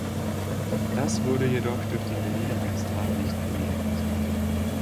Das wurde jedoch durch den Berliner Magistrat nicht genehmigt.